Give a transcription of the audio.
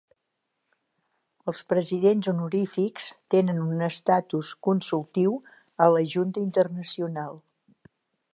Els presidents honorífics tenen un estatus consultiu a la Junta Internacional.